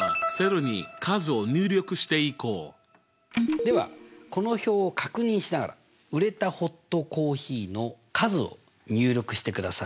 ではこの表を確認しながら「売れたホットコーヒーの数」を入力してください。